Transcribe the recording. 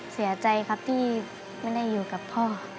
เสียใจครับที่ไม่ได้อยู่กับพ่อ